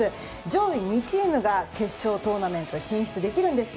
上位２チームが決勝トーナメント進出できます。